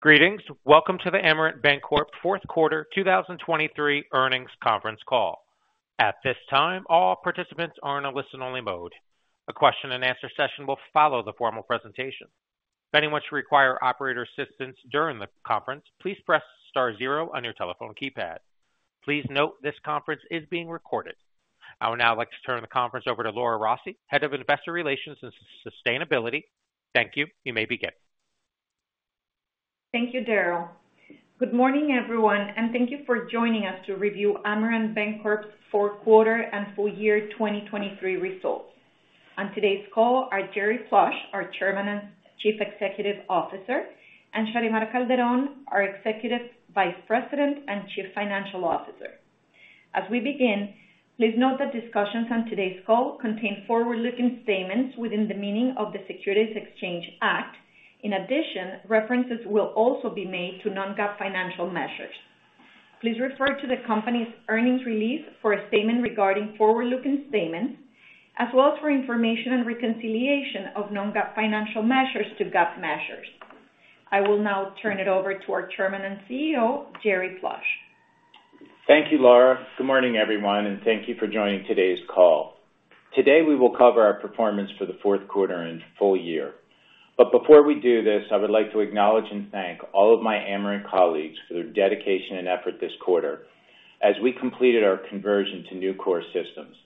Greetings. Welcome to the Amerant Bancorp fourth quarter 2023 earnings conference call. At this time, all participants are in a listen-only mode. A question and answer session will follow the formal presentation. If anyone should require operator assistance during the conference, please press star zero on your telephone keypad. Please note, this conference is being recorded. I would now like to turn the conference over to Laura Rossi, Head of Investor Relations and Sustainability. Thank you. You may begin. Thank you, Daryl. Good morning, everyone, and thank you for joining us to review Amerant Bancorp's fourth quarter and full year 2023 results. On today's call are Jerry Plush, our Chairman and Chief Executive Officer, and Sharymar Calderón, our Executive Vice President and Chief Financial Officer. As we begin, please note that discussions on today's call contain forward-looking statements within the meaning of the Securities Exchange Act. In addition, references will also be made to non-GAAP financial measures. Please refer to the company's earnings release for a statement regarding forward-looking statements, as well as for information and reconciliation of non-GAAP financial measures to GAAP measures. I will now turn it over to our Chairman and CEO, Jerry Plush. Thank you, Laura. Good morning, everyone, and thank you for joining today's call. Today, we will cover our performance for the fourth quarter and full year. But before we do this, I would like to acknowledge and thank all of my Amerant colleagues for their dedication and effort this quarter as we completed our conversion to new core systems.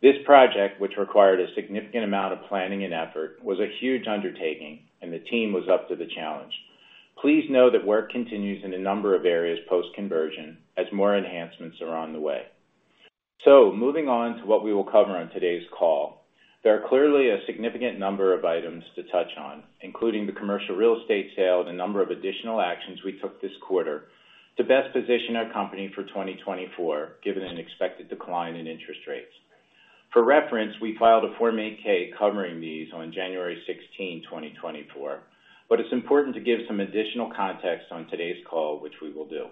This project, which required a significant amount of planning and effort, was a huge undertaking, and the team was up to the challenge. Please know that work continues in a number of areas post-conversion as more enhancements are on the way. Moving on to what we will cover on today's call. There are clearly a significant number of items to touch on, including the commercial real estate sale and a number of additional actions we took this quarter to best position our company for 2024, given an expected decline in interest rates. For reference, we filed a Form 8-K covering these on January 16, 2024, but it's important to give some additional context on today's call, which we will do.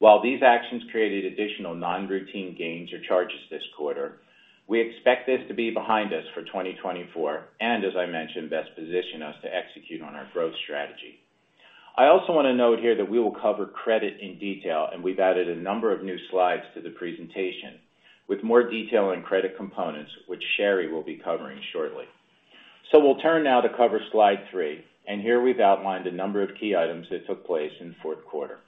While these actions created additional non-routine gains or charges this quarter, we expect this to be behind us for 2024, and as I mentioned, best position us to execute on our growth strategy. I also want to note here that we will cover credit in detail, and we've added a number of new slides to the presentation, with more detail on credit components, which Shary will be covering shortly. So we'll turn now to cover slide three, and here we've outlined a number of key items that took place in the fourth quarter.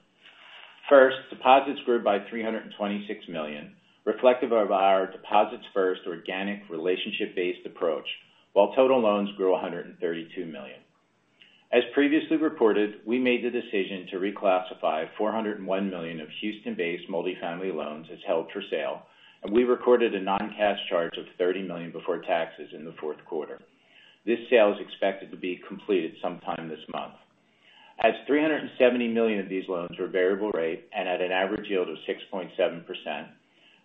First, deposits grew by $326 million, reflective of our deposits-first, organic, relationship-based approach, while total loans grew $132 million. As previously reported, we made the decision to reclassify $401 million of Houston-based multifamily loans as held for sale, and we recorded a non-cash charge of $30 million before taxes in the fourth quarter. This sale is expected to be completed sometime this month. As $370 million of these loans were variable rate and at an average yield of 6.7%,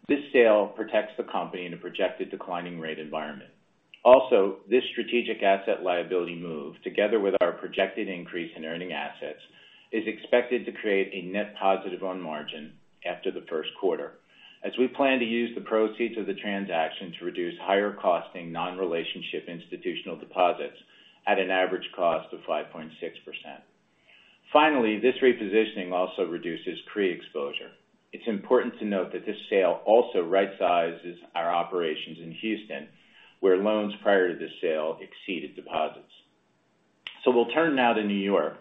this sale protects the company in a projected declining rate environment. Also, this strategic asset liability move, together with our projected increase in earning assets, is expected to create a net positive on margin after the first quarter, as we plan to use the proceeds of the transaction to reduce higher-costing, non-relationship institutional deposits at an average cost of 5.6%. Finally, this repositioning also reduces CRE exposure. It's important to note that this sale also right-sizes our operations in Houston, where loans prior to this sale exceeded deposits. So we'll turn now to New York.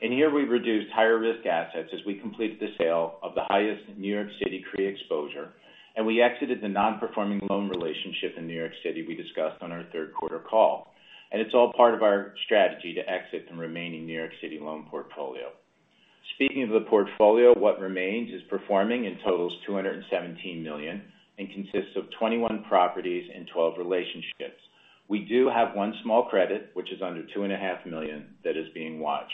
And here we've reduced higher-risk assets as we completed the sale of the highest New York City CRE exposure, and we exited the non-performing loan relationship in New York City we discussed on our third quarter call. And it's all part of our strategy to exit the remaining New York City loan portfolio. Speaking of the portfolio, what remains is performing and totals $217 million and consists of 21 properties and 12 relationships. We do have one small credit, which is under $2.5 million, that is being watched.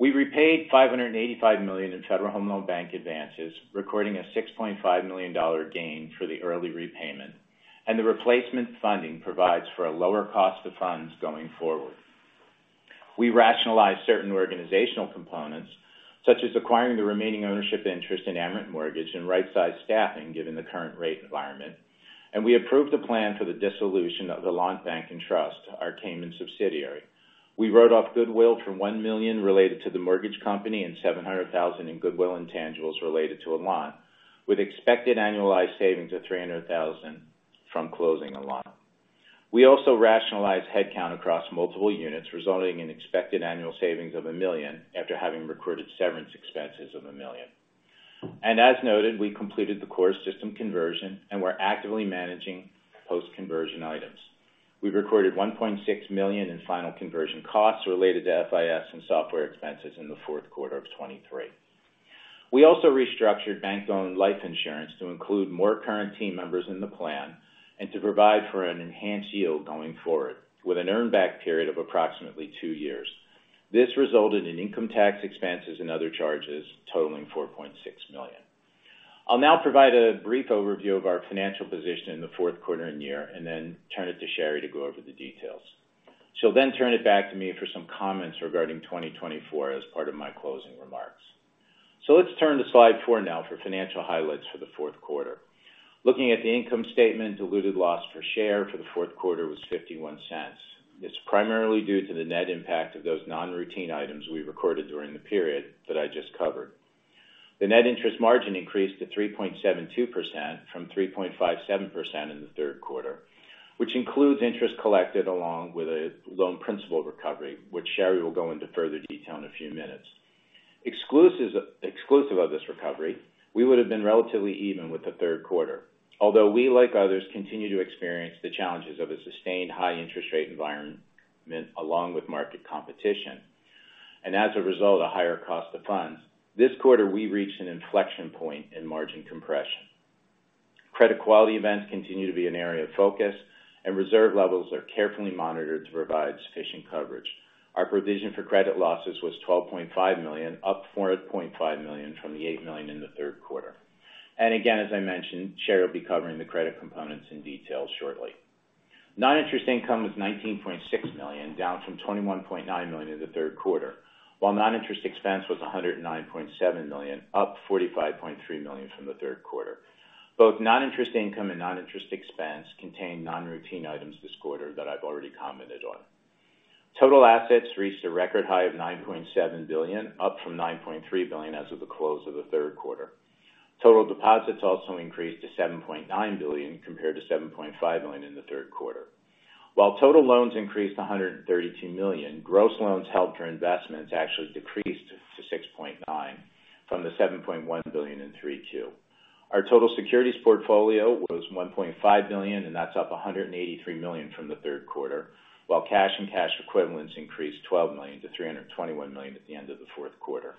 We repaid $585 million in Federal Home Loan Bank advances, recording a $6.5 million gain for the early repayment, and the replacement funding provides for a lower cost of funds going forward. We rationalized certain organizational components, such as acquiring the remaining ownership interest in Amerant Mortgage and right-size staffing, given the current rate environment, and we approved a plan for the dissolution of the Elant Bank and Trust, our Cayman subsidiary. We wrote off goodwill from $1 million related to the mortgage company and $700,000 in goodwill intangibles related to Elant, with expected annualized savings of $300,000 from closing Elant. We also rationalized headcount across multiple units, resulting in expected annual savings of $1 million, after having recorded severance expenses of $1 million. As noted, we completed the core system conversion and we're actively managing post-conversion items. We've recorded $1.6 million in final conversion costs related to FIS and software expenses in the fourth quarter of 2023. We also restructured bank-owned life insurance to include more current team members in the plan and to provide for an enhanced yield going forward, with an earn back period of approximately two years. This resulted in income tax expenses and other charges totaling $4.6 million. I'll now provide a brief overview of our financial position in the fourth quarter and year, and then turn it to Shary to go over the details. She'll then turn it back to me for some comments regarding 2024 as part of my closing remarks. So let's turn to slide 4 now for financial highlights for the fourth quarter. Looking at the income statement, diluted loss per share for the fourth quarter was $0.51. It's primarily due to the net impact of those non-routine items we recorded during the period that I just covered. The net interest margin increased to 3.72% from 3.57% in the third quarter, which includes interest collected along with a loan principal recovery, which Shary will go into further detail in a few minutes. Exclusive of this recovery, we would have been relatively even with the third quarter, although we, like others, continue to experience the challenges of a sustained high interest rate environment along with market competition. As a result, a higher cost of funds. This quarter, we reached an inflection point in margin compression. Credit quality events continue to be an area of focus, and reserve levels are carefully monitored to provide sufficient coverage. Our provision for credit losses was $12.5 million, up $4.5 million from the $8 million in the third quarter. Again, as I mentioned, Shary will be covering the credit components in detail shortly. Non-interest income was $19.6 million, down from $21.9 million in the third quarter, while non-interest expense was $109.7 million, up $45.3 million from the third quarter. Both non-interest income and non-interest expense contain non-routine items this quarter that I've already commented on. Total assets reached a record high of $9.7 billion, up from $9.3 billion as of the close of the third quarter. Total deposits also increased to $7.9 billion, compared to $7.5 billion in the third quarter. While total loans increased to $132 million, gross loans held for investment actually decreased to $6.9 billion from the $7.1 billion in Q3. Our total securities portfolio was $1.5 billion, and that's up $183 million from the third quarter, while cash and cash equivalents increased $12 million to $321 million at the end of the fourth quarter.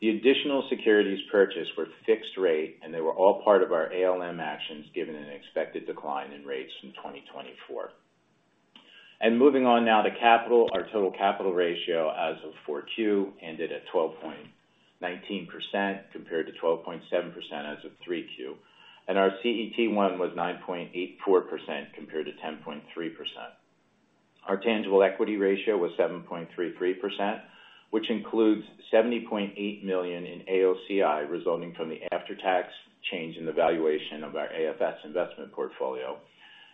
The additional securities purchased were fixed rate, and they were all part of our ALM actions, given an expected decline in rates in 2024. Moving on now to capital. Our total capital ratio as of 4Q ended at 12.19%, compared to 12.7% as of 3Q. Our CET1 was 9.84% compared to 10.3%. Our tangible equity ratio was 7.33%, which includes $70.8 million in AOCI, resulting from the after-tax change in the valuation of our AFS investment portfolio,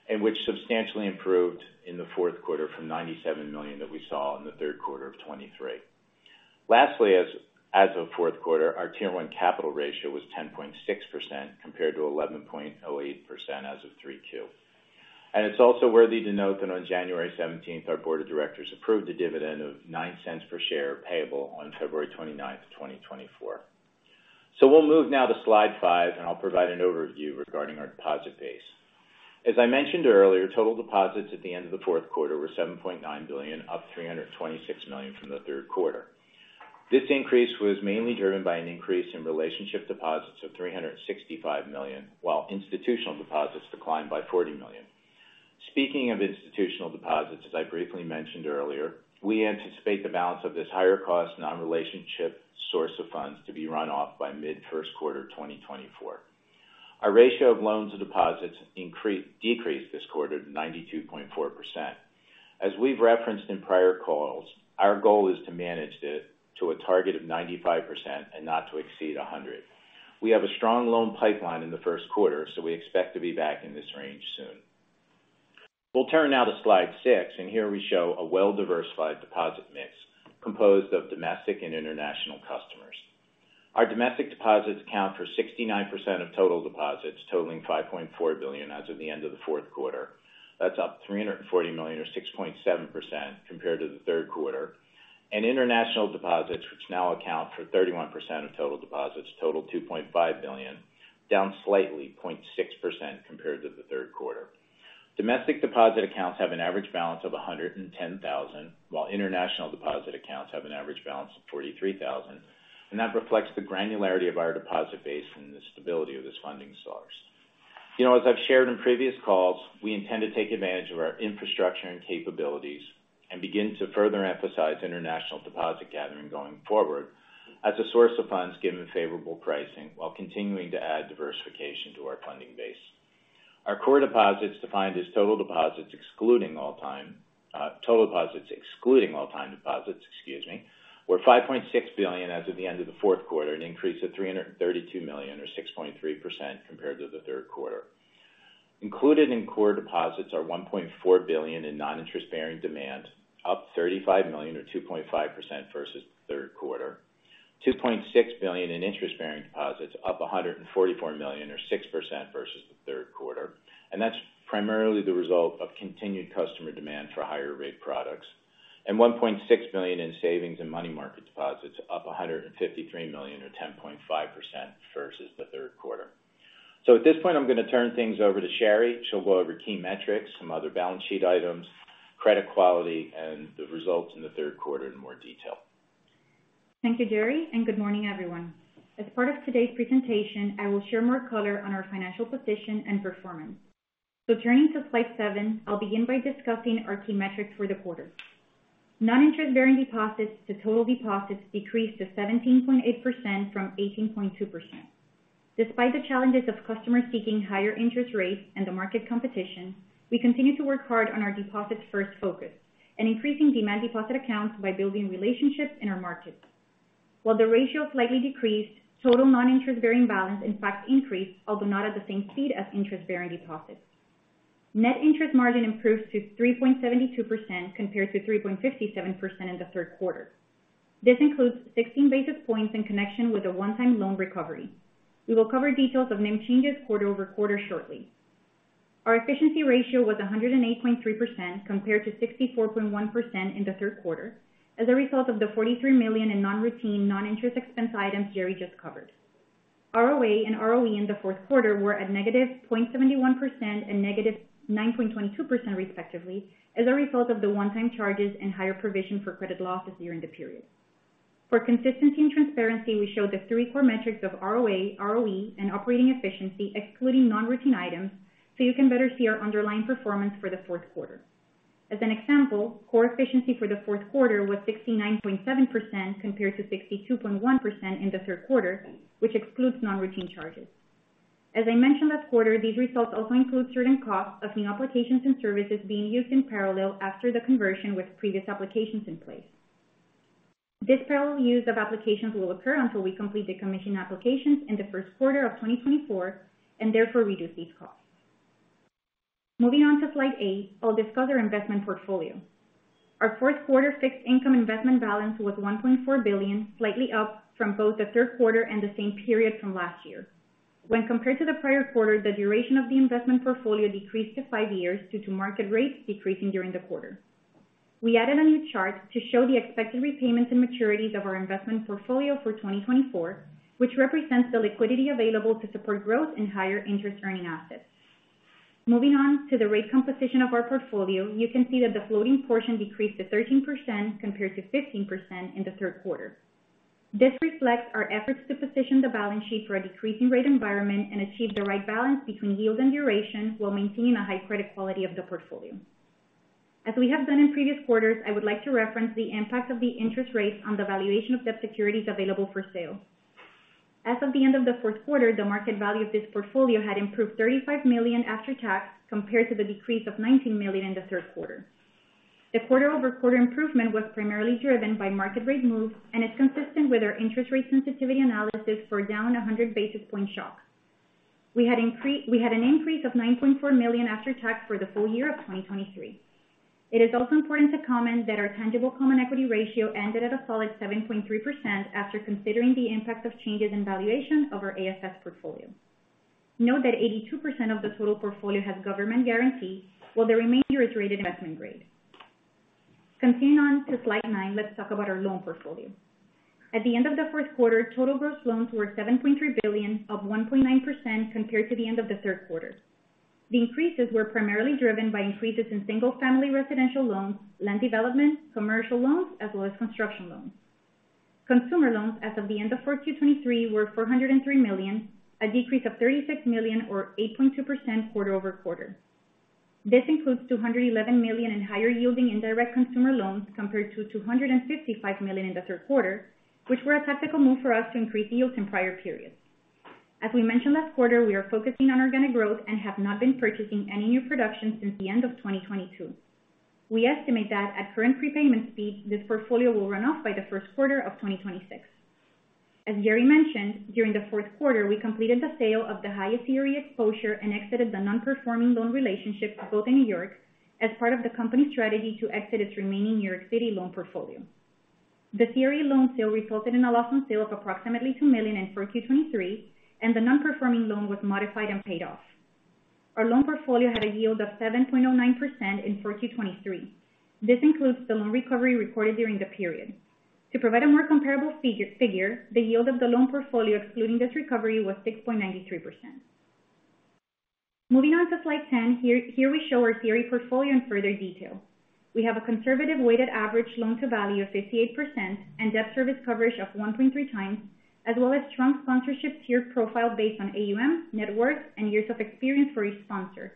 and which substantially improved in the fourth quarter from $97 million that we saw in the third quarter of 2023. Lastly, as of fourth quarter, our Tier 1 capital ratio was 10.6%, compared to 11.08% as of 3Q. It's also worthy to note that on January 17, our board of directors approved a dividend of $0.09 per share, payable on February 29, 2024. So we'll move now to slide five, and I'll provide an overview regarding our deposit base. As I mentioned earlier, total deposits at the end of the fourth quarter were $7.9 billion, up $326 million from the third quarter. This increase was mainly driven by an increase in relationship deposits of $365 million, while institutional deposits declined by $40 million. Speaking of institutional deposits, as I briefly mentioned earlier, we anticipate the balance of this higher cost non-relationship source of funds to be run off by mid-first quarter, 2024. Our ratio of loans to deposits decreased this quarter to 92.4%. As we've referenced in prior calls, our goal is to manage it to a target of 95% and not to exceed 100. We have a strong loan pipeline in the first quarter, so we expect to be back in this range soon. We'll turn now to slide six, and here we show a well-diversified deposit mix composed of domestic and international customers. Our domestic deposits account for 69% of total deposits, totaling $5.4 billion as of the end of the fourth quarter. That's up $340 million, or 6.7%, compared to the third quarter. And international deposits, which now account for 31% of total deposits, total $2.5 billion, down slightly, 0.6%, compared to the third quarter. Domestic deposit accounts have an average balance of $110,000, while international deposit accounts have an average balance of $43,000. And that reflects the granularity of our deposit base and the stability of this funding source. You know, as I've shared in previous calls, we intend to take advantage of our infrastructure and capabilities and begin to further emphasize international deposit gathering going forward as a source of funds, given favorable pricing, while continuing to add diversification to our funding base. Our core deposits, defined as total deposits, excluding all time, total deposits excluding all time deposits, excuse me, were $5.6 billion as of the end of the fourth quarter, an increase of $332 million, or 6.3% compared to the third quarter. Included in core deposits are $1.4 billion in non-interest bearing demand, up $35 million, or 2.5% versus the third quarter. $2.5 billion in interest-bearing deposits, up $144 million, or 6% versus the third quarter. And that's primarily the result of continued customer demand for higher rate products. And $1.6 billion in savings and money market deposits, up $153 million, or 10.5% versus the third quarter. So at this point, I'm going to turn things over to Shary. She'll go over key metrics, some other balance sheet items, credit quality, and the results in the third quarter in more detail. Thank you, Jerry, and good morning, everyone. As part of today's presentation, I will share more color on our financial position and performance. So turning to slide seven, I'll begin by discussing our key metrics for the quarter. Non-interest bearing deposits to total deposits decreased to 17.8% from 18.2%.... Despite the challenges of customers seeking higher interest rates and the market competition, we continue to work hard on our deposits-first focus and increasing demand deposit accounts by building relationships in our markets. While the ratio slightly decreased, total non-interest bearing balance in fact increased, although not at the same speed as interest-bearing deposits. Net interest margin improved to 3.72% compared to 3.57% in the third quarter. This includes 16 basis points in connection with a one-time loan recovery. We will cover details of NIM changes quarter-over-quarter shortly. Our efficiency ratio was 108.3% compared to 64.1% in the third quarter, as a result of the $43 million in non-routine, non-interest expense items Jerry just covered. ROA and ROE in the fourth quarter were at -0.71% and -9.22% respectively, as a result of the one-time charges and higher provision for credit losses during the period. For consistency and transparency, we show the three core metrics of ROA, ROE, and operating efficiency, excluding non-routine items, so you can better see our underlying performance for the fourth quarter. As an example, core efficiency for the fourth quarter was 69.7% compared to 62.1% in the third quarter, which excludes non-routine charges. As I mentioned last quarter, these results also include certain costs of new applications and services being used in parallel after the conversion with previous applications in place. This parallel use of applications will occur until we complete the decommission applications in the first quarter of 2024, and therefore reduce these costs. Moving on to slide eight, I'll discuss our investment portfolio. Our fourth quarter fixed income investment balance was $1.4 billion, slightly up from both the third quarter and the same period from last year. When compared to the prior quarter, the duration of the investment portfolio decreased to five years due to market rates decreasing during the quarter. We added a new chart to show the expected repayments and maturities of our investment portfolio for 2024, which represents the liquidity available to support growth in higher interest earning assets. Moving on to the rate composition of our portfolio, you can see that the floating portion decreased to 13% compared to 15% in the third quarter. This reflects our efforts to position the balance sheet for a decreasing rate environment and achieve the right balance between yield and duration, while maintaining a high credit quality of the portfolio. As we have done in previous quarters, I would like to reference the impact of the interest rates on the valuation of debt securities available for sale. As of the end of the fourth quarter, the market value of this portfolio had improved $35 million after tax, compared to the decrease of $19 million in the third quarter. The quarter-over-quarter improvement was primarily driven by market rate moves and is consistent with our interest rate sensitivity analysis for a down 100 basis points shock. We had an increase of $9.4 million after tax for the full year of 2023. It is also important to comment that our tangible common equity ratio ended at a solid 7.3% after considering the impact of changes in valuation of our AFS portfolio. Note that 82% of the total portfolio has government guarantee, while the remainder is rated investment grade. Continuing on to slide nine, let's talk about our loan portfolio. At the end of the fourth quarter, total gross loans were $7.3 billion, up 1.9% compared to the end of the third quarter. The increases were primarily driven by increases in single-family residential loans, land development, commercial loans, as well as construction loans. Consumer loans as of the end of 4Q 2023 were $403 million, a decrease of $36 million or 8.2% quarter-over-quarter. This includes $211 million in higher-yielding indirect consumer loans, compared to $255 million in the third quarter, which were a tactical move for us to increase yields in prior periods. As we mentioned last quarter, we are focusing on organic growth and have not been purchasing any new production since the end of 2022. We estimate that at current prepayment speed, this portfolio will run off by the first quarter of 2026. As Jerry mentioned, during the fourth quarter, we completed the sale of the highest risk exposure and exited the non-performing loan relationship, both in New York, as part of the company's strategy to exit its remaining New York City loan portfolio. The CRE loan sale resulted in a loss on sale of approximately $2 million in 4Q 2023, and the non-performing loan was modified and paid off. Our loan portfolio had a yield of 7.09% in 4Q 2023. This includes the loan recovery recorded during the period. To provide a more comparable figure, the yield of the loan portfolio, excluding this recovery, was 6.93%. Moving on to slide 10, here we show our CRE portfolio in further detail. We have a conservative weighted average loan-to-value of 58% and debt service coverage of 1.3x, as well as strong sponsorship tier profile based on AUM, net worth, and years of experience for each sponsor.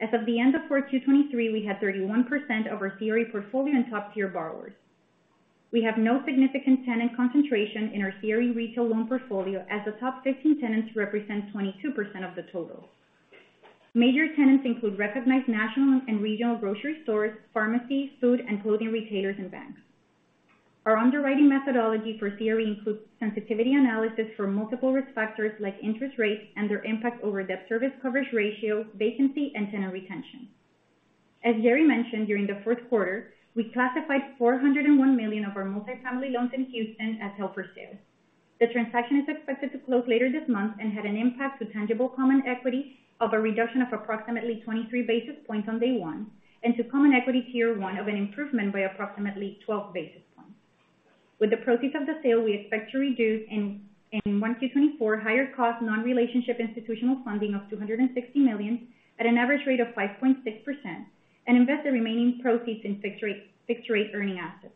As of the end of 4Q 2023, we had 31% of our CRE portfolio in top-tier borrowers. We have no significant tenant concentration in our CRE retail loan portfolio, as the top 15 tenants represent 22% of the total. Major tenants include recognized national and regional grocery stores, pharmacies, food and clothing retailers, and banks. Our underwriting methodology for CRE includes sensitivity analysis for multiple risk factors like interest rates and their impact over debt service coverage ratio, vacancy, and tenant retention. As Jerry mentioned, during the fourth quarter, we classified $401 million of our multifamily loans in Houston as held for sale. The transaction is expected to close later this month and had an impact to tangible common equity of a reduction of approximately 23 basis points on day one, and to Common Equity Tier 1 of an improvement by approximately 12 basis points. With the proceeds of the sale, we expect to reduce in 2024 higher cost, non-relationship institutional funding of $260 million at an average rate of 5.6% and invest the remaining proceeds in fixed-rate earning assets.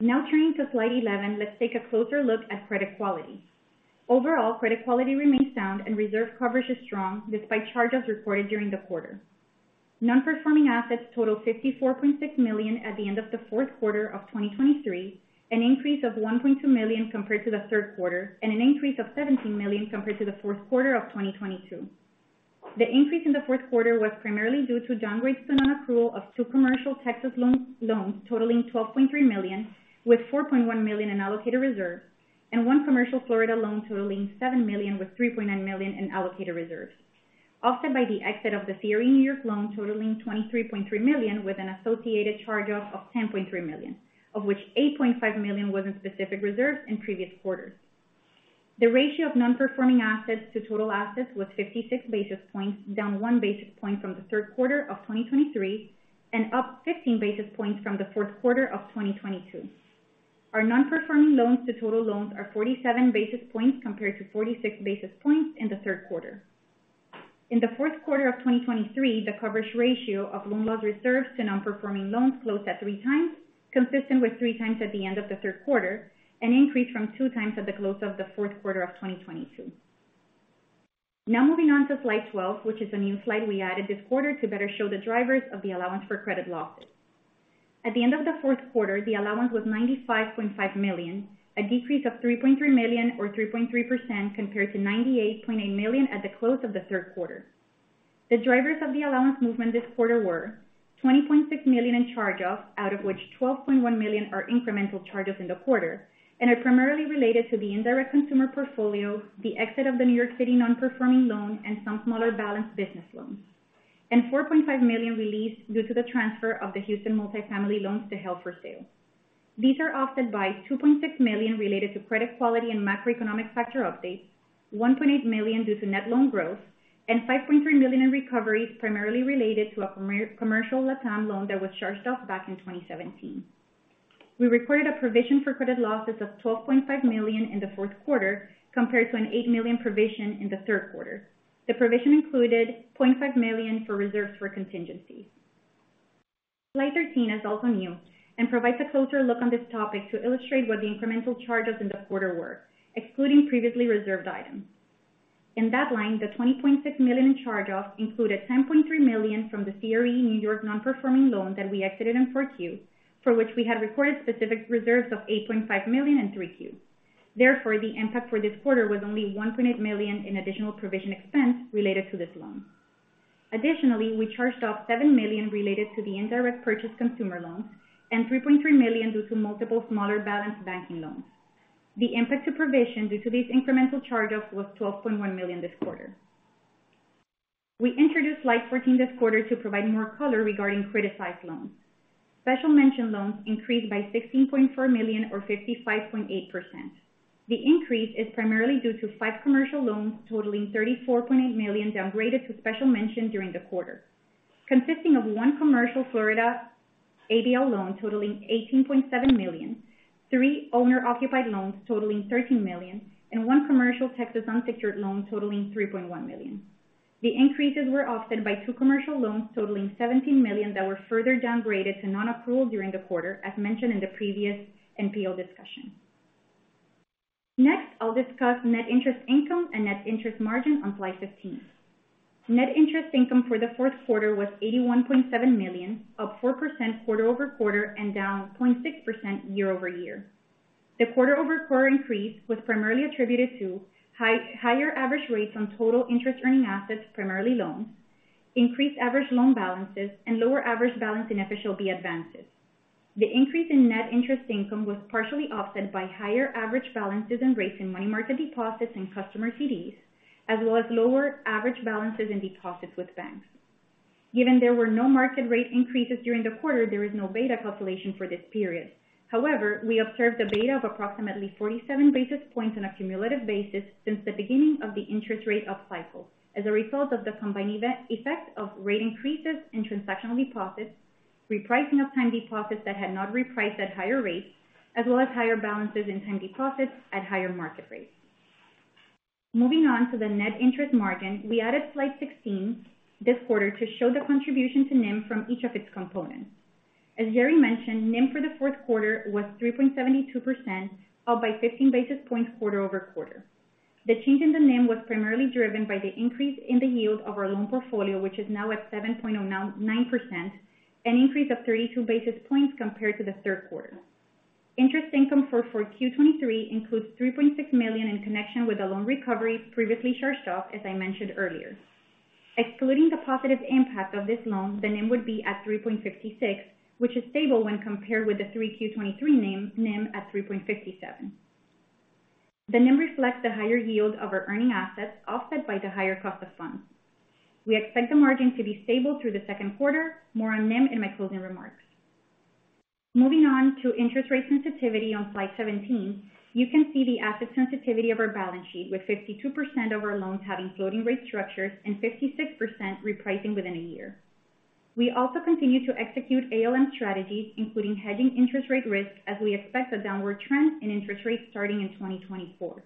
Now turning to slide 11, let's take a closer look at credit quality. Overall, credit quality remains sound and reserve coverage is strong, despite charges recorded during the quarter. Non-performing assets totaled $54.6 million at the end of the fourth quarter of 2023, an increase of $1.2 million compared to the third quarter, and an increase of $17 million compared to the fourth quarter of 2022. The increase in the fourth quarter was primarily due to downgrades to non-accrual of two commercial Texas loans, loans totaling $12.3 million, with $4.1 million in allocated reserves, and one commercial Florida loan totaling $7 million, with $3.9 million in allocated reserves. Offset by the exit of the CRE New York loan, totaling $23.3 million, with an associated charge-off of $10.3 million, of which $8.5 million was in specific reserves in previous quarters. The ratio of non-performing assets to total assets was 56 basis points, down 1 basis point from the third quarter of 2023, and up 15 basis points from the fourth quarter of 2022. Our non-performing loans to total loans are 47 basis points, compared to 46 basis points in the third quarter. In the fourth quarter of 2023, the coverage ratio of loan loss reserves to non-performing loans closed at three times, consistent with three times at the end of the third quarter, and increased from two times at the close of the fourth quarter of 2022. Now moving on to slide 12, which is a new slide we added this quarter to better show the drivers of the allowance for credit losses. At the end of the fourth quarter, the allowance was $95.5 million, a decrease of $3.3 million or 3.3% compared to $98.8 million at the close of the third quarter. The drivers of the allowance movement this quarter were $20.6 million in charge-offs, out of which $12.1 million are incremental charges in the quarter and are primarily related to the indirect consumer portfolio, the exit of the New York City non-performing loan, and some smaller balanced business loans, and $4.5 million released due to the transfer of the Houston multifamily loans to held for sale. These are offset by $2.6 million related to credit quality and macroeconomic factor updates, $1.8 million due to net loan growth, and $5.3 million in recoveries, primarily related to a commercial Latam loan that was charged off back in 2017. We recorded a provision for credit losses of $12.5 million in the fourth quarter, compared to an $8 million provision in the third quarter. The provision included $0.5 million for reserves for contingencies. Slide 13 is also new and provides a closer look on this topic to illustrate what the incremental charges in the quarter were, excluding previously reserved items. In that line, the $20.6 million in charge-offs included $10.3 million from the CRE New York non-performing loan that we exited in 4Q, for which we had recorded specific reserves of $8.5 million in 3Q. Therefore, the impact for this quarter was only $1.8 million in additional provision expense related to this loan. Additionally, we charged off $7 million related to the indirect consumer loans and $3.3 million due to multiple smaller balance banking loans. The impact to provision due to these incremental charge-offs was $12.1 million this quarter. We introduced slide 14 this quarter to provide more color regarding criticized loans. Special mention loans increased by $16.4 million or 55.8%. The increase is primarily due to 5 commercial loans totaling $34.8 million, downgraded to special mention during the quarter, consisting of one commercial Florida A&D loan totaling $18.7 million, three owner-occupied loans totaling $13 million, and one commercial Texas unsecured loan totaling $3.1 million. The increases were offset by two commercial loans totaling $17 million that were further downgraded to non-accrual during the quarter, as mentioned in the previous NPL discussion. Next, I'll discuss net interest income and net interest margin on slide 15. Net interest income for the fourth quarter was $81.7 million, up 4% quarter-over-quarter and down 0.6% year-over-year. The quarter-over-quarter increase was primarily attributed to higher average rates on total interest-earning assets, primarily loans, increased average loan balances, and lower average balance in FHLB advances. The increase in net interest income was partially offset by higher average balances and rates in money market deposits and customer CDs, as well as lower average balances and deposits with banks. Given there were no market rate increases during the quarter, there is no beta calculation for this period. However, we observed a beta of approximately 47 basis points on a cumulative basis since the beginning of the interest rate upcycle as a result of the combined even effect of rate increases in transactional deposits, repricing of time deposits that had not repriced at higher rates, as well as higher balances in time deposits at higher market rates. Moving on to the net interest margin, we added slide 16 this quarter to show the contribution to NIM from each of its components. As Jerry mentioned, NIM for the fourth quarter was 3.72%, up by 15 basis points quarter over quarter. The change in the NIM was primarily driven by the increase in the yield of our loan portfolio, which is now at 7.09%, an increase of 32 basis points compared to the third quarter. Interest income for 4Q 2023 includes $3.6 million in connection with a loan recovery previously charged off, as I mentioned earlier. Excluding the positive impact of this loan, the NIM would be at 3.56%, which is stable when compared with the 3Q 2023 NIM at 3.57%. The NIM reflects the higher yield of our earning assets, offset by the higher cost of funds. We expect the margin to be stable through the second quarter. More on NIM in my closing remarks. Moving on to interest rate sensitivity on slide 17, you can see the asset sensitivity of our balance sheet, with 52% of our loans having floating rate structures and 56% repricing within a year. We also continue to execute ALM strategies, including hedging interest rate risk, as we expect a downward trend in interest rates starting in 2024.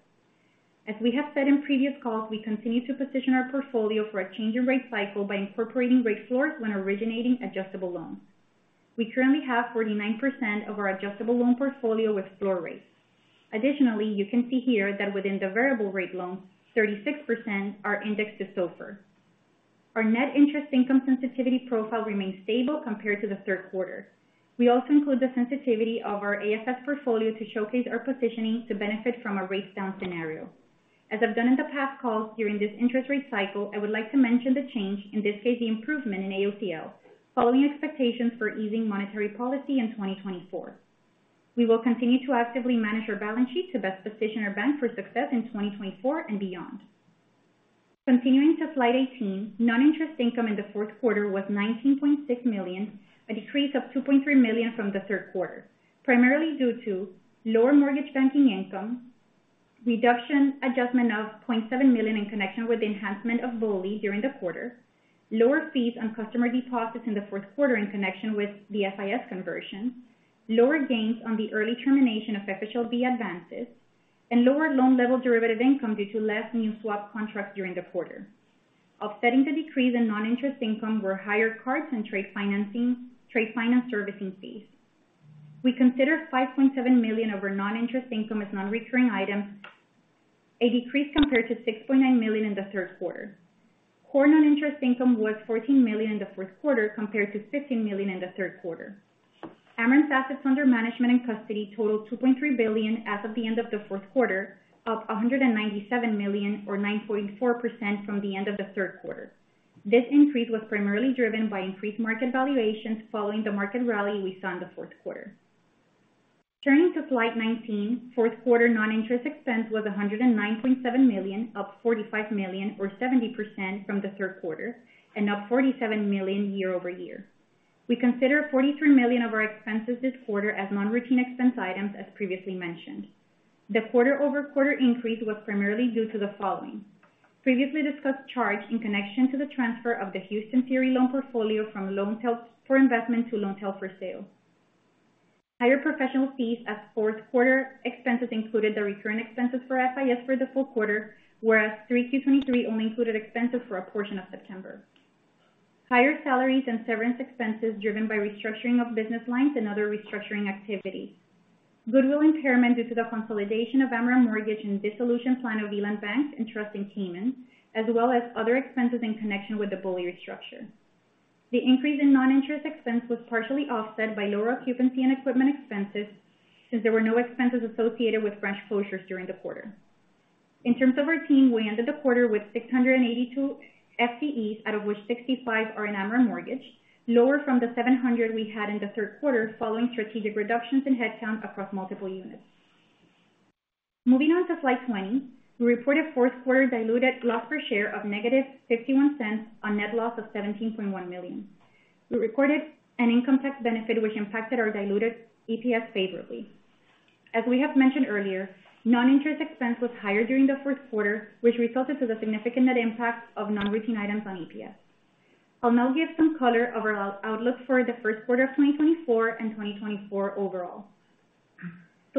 As we have said in previous calls, we continue to position our portfolio for a change in rate cycle by incorporating rate floors when originating adjustable loans.... We currently have 49% of our adjustable loan portfolio with floor rates. Additionally, you can see here that within the variable rate loans, 36% are indexed to SOFR. Our net interest income sensitivity profile remains stable compared to the third quarter. We also include the sensitivity of our AFS portfolio to showcase our positioning to benefit from a rate down scenario. As I've done in the past calls during this interest rate cycle, I would like to mention the change, in this case, the improvement in AOCL, following expectations for easing monetary policy in 2024. We will continue to actively manage our balance sheet to best position our bank for success in 2024 and beyond. Continuing to slide 18, non-interest income in the fourth quarter was $19.6 million, a decrease of $2.3 million from the third quarter, primarily due to lower mortgage banking income, reduction adjustment of $0.7 million in connection with the enhancement of BOLI during the quarter, lower fees on customer deposits in the fourth quarter in connection with the FIS conversion, lower gains on the early termination of FHLB advances, and lower loan level derivative income due to less new swap contracts during the quarter. Offsetting the decrease in non-interest income were higher cards and trade financing-- trade finance servicing fees. We considered $5.7 million of our non-interest income as non-recurring items, a decrease compared to $6.9 million in the third quarter. Core non-interest income was $14 million in the first quarter, compared to $15 million in the third quarter. Amerant's assets under management and custody totaled $2.3 billion as of the end of the fourth quarter, up $197 million or 9.4% from the end of the third quarter. This increase was primarily driven by increased market valuations following the market rally we saw in the fourth quarter. Turning to slide 19, fourth quarter non-interest expense was $109.7 million, up $45 million or 70% from the third quarter, and up $47 million year-over-year. We consider $43 million of our expenses this quarter as non-routine expense items, as previously mentioned. The quarter-over-quarter increase was primarily due to the following: Previously discussed charge in connection to the transfer of the Houston multifamily loan portfolio from loan held for investment to loan held for sale. Higher professional fees as fourth quarter expenses included the recurring expenses for FIS for the full quarter, whereas 3Q 2023 only included expenses for a portion of September. Higher salaries and severance expenses driven by restructuring of business lines and other restructuring activity. Goodwill impairment due to the consolidation of Amerant Mortgage and dissolution plan of Elant Bank and Trust in the Cayman, as well as other expenses in connection with the BOLI restructure. The increase in non-interest expense was partially offset by lower occupancy and equipment expenses, since there were no expenses associated with branch closures during the quarter. In terms of our team, we ended the quarter with 682 FTEs, out of which 65 are in Amerant Mortgage, lower from the 700 we had in the third quarter, following strategic reductions in headcount across multiple units. Moving on to slide 20. We reported fourth quarter diluted loss per share of -$0.51 on net loss of $17.1 million. We recorded an income tax benefit which impacted our diluted EPS favorably. As we have mentioned earlier, non-interest expense was higher during the fourth quarter, which resulted to the significant net impact of non-routine items on EPS. I'll now give some color of our outlook for the first quarter of 2024 and 2024 overall.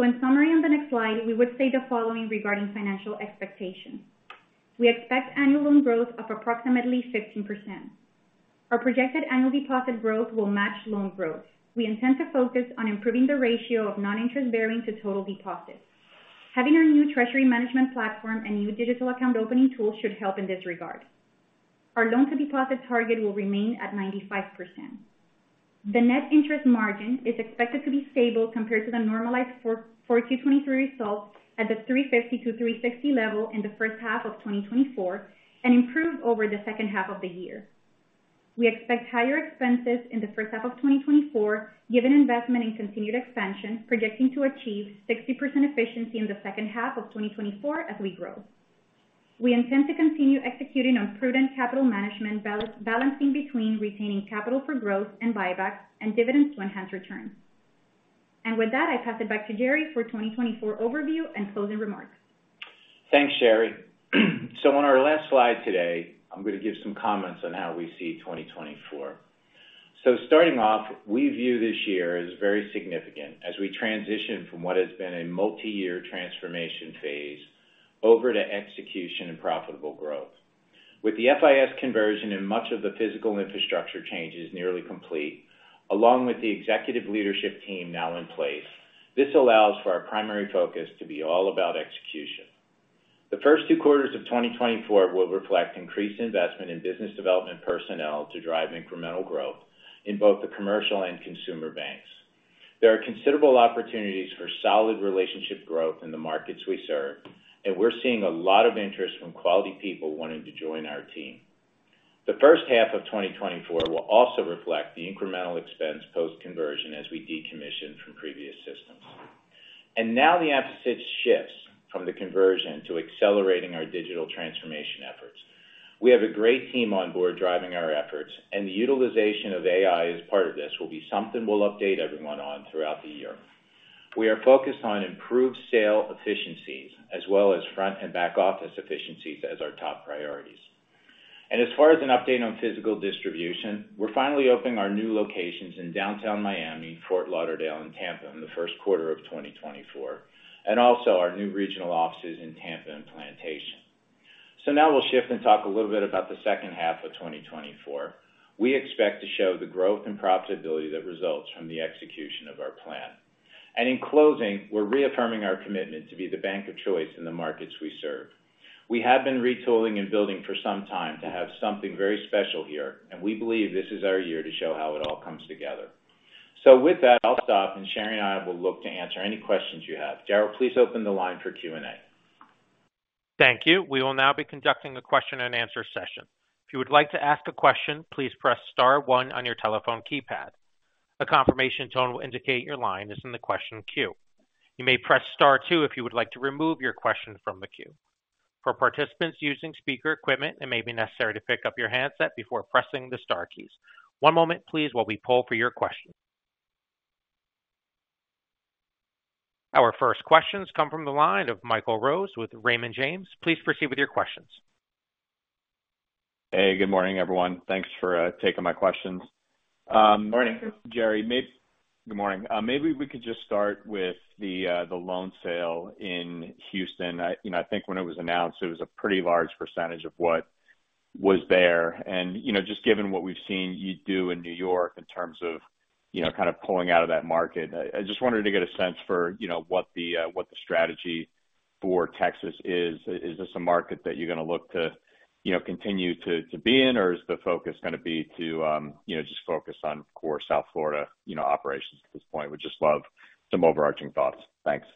So in summary, on the next slide, we would say the following regarding financial expectations: We expect annual loan growth of approximately 15%. Our projected annual deposit growth will match loan growth. We intend to focus on improving the ratio of non-interest bearing to total deposits. Having our new treasury management platform and new digital account opening tool should help in this regard. Our loan to deposit target will remain at 95%. The net interest margin is expected to be stable compared to the normalized 4Q 2023 results at the 3.50%-3.60% level in the first half of 2024, and improve over the second half of the year. We expect higher expenses in the first half of 2024, given investment in continued expansion, projecting to achieve 60% efficiency in the second half of 2024 as we grow. We intend to continue executing on prudent capital management, balancing between retaining capital for growth and buybacks and dividends to enhance returns. With that, I pass it back to Jerry for 2024 overview and closing remarks. Thanks, Shary. On our last slide today, I'm going to give some comments on how we see 2024. Starting off, we view this year as very significant as we transition from what has been a multi-year transformation phase over to execution and profitable growth. With the FIS conversion and much of the physical infrastructure changes nearly complete, along with the executive leadership team now in place, this allows for our primary focus to be all about execution. The first two quarters of 2024 will reflect increased investment in business development personnel to drive incremental growth in both the commercial and consumer banks. There are considerable opportunities for solid relationship growth in the markets we serve, and we're seeing a lot of interest from quality people wanting to join our team. The first half of 2024 will also reflect the incremental expense post-conversion as we decommission from previous systems. Now the emphasis shifts from the conversion to accelerating our digital transformation efforts. We have a great team on board driving our efforts, and the utilization of AI as part of this will be something we'll update everyone on throughout the year. We are focused on improved sale efficiencies as well as front and back office efficiencies as our top priorities. As far as an update on physical distribution, we're finally opening our new locations in downtown Miami, Fort Lauderdale and Tampa in the first quarter of 2024, and also our new regional offices in Tampa and Plantation. Now we'll shift and talk a little bit about the second half of 2024. We expect to show the growth and profitability that results from the execution of our plan. In closing, we're reaffirming our commitment to be the bank of choice in the markets we serve. We have been retooling and building for some time to have something very special here, and we believe this is our year to show how it all comes together. With that, I'll stop, and Shary and I will look to answer any questions you have. Daryl, please open the line for Q&A. Thank you. We will now be conducting a question and answer session. If you would like to ask a question, please press star one on your telephone keypad. A confirmation tone will indicate your line is in the question queue. You may press star two if you would like to remove your question from the queue. For participants using speaker equipment, it may be necessary to pick up your handset before pressing the star keys. One moment, please, while we poll for your question. Our first questions come from the line of Michael Rose with Raymond James. Please proceed with your questions. Hey, good morning, everyone. Thanks for taking my questions. Good morning. Jerry, good morning. Maybe we could just start with the loan sale in Houston. I, you know, I think when it was announced, it was a pretty large percentage of what was there. And, you know, just given what we've seen you do in New York in terms of, you know, kind of pulling out of that market, I, I just wanted to get a sense for, you know, what the, what the strategy for Texas is. Is this a market that you're going to look to, you know, continue to, to be in? Or is the focus gonna be to, you know, just focus on core South Florida, you know, operations at this point? Would just love some overarching thoughts. Thanks.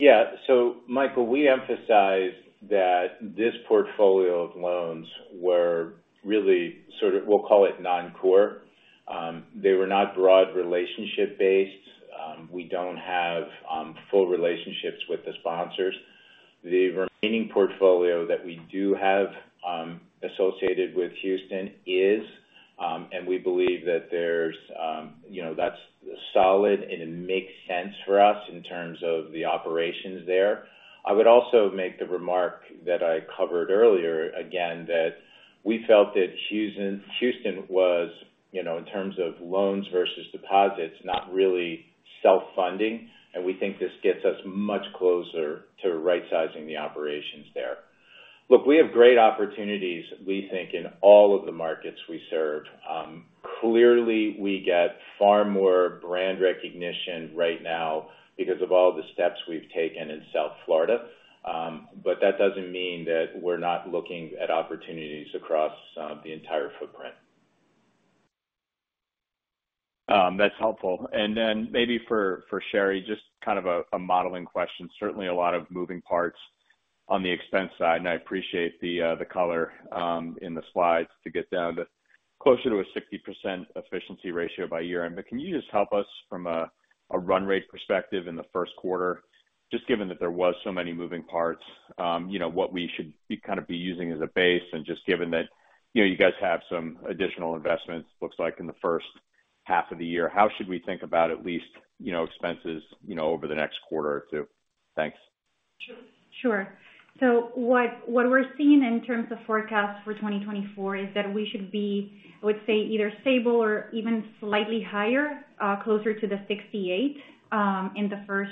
Yeah. So Michael, we emphasized that this portfolio of loans were really sort of, we'll call it non-core. They were not broad relationship-based. We don't have full relationships with the sponsors. The remaining portfolio that we do have associated with Houston is, and we believe that there's you know, that's solid and it makes sense for us in terms of the operations there. I would also make the remark that I covered earlier, again, that we felt that Houston, Houston was, you know, in terms of loans versus deposits, not really self-funding, and we think this gets us much closer to right sizing the operations there. Look, we have great opportunities, we think, in all of the markets we serve. Clearly, we get far more brand recognition right now because of all the steps we've taken in South Florida. But that doesn't mean that we're not looking at opportunities across the entire footprint. That's helpful. And then maybe for, for Shary, just kind of a, a modeling question. Certainly, a lot of moving parts on the expense side, and I appreciate the, the color, in the slides to get down to closer to a 60% efficiency ratio by year-end. But can you just help us from a, a run rate perspective in the first quarter, just given that there was so many moving parts, you know, what we should be, kind of, be using as a base and just given that, you know, you guys have some additional investments, looks like in the first half of the year. How should we think about at least, you know, expenses, you know, over the next quarter or two? Thanks. Sure. Sure. So what, what we're seeing in terms of forecasts for 2024 is that we should be, I would say, either stable or even slightly higher, closer to the 68, in the first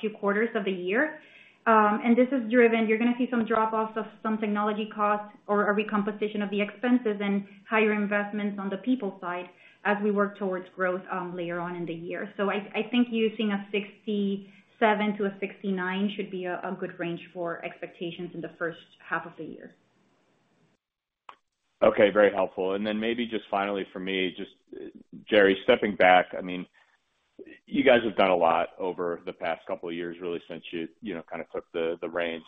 few quarters of the year. And this is driven. You're gonna see some drop-offs of some technology costs or a recomposition of the expenses and higher investments on the people side as we work towards growth, later on in the year. So I, I think using a 67-69 should be a, a good range for expectations in the first half of the year. Okay. Very helpful. And then maybe just finally for me, just, Jerry, stepping back, I mean, you guys have done a lot over the past couple of years, really since you, you know, kind of, took the reins.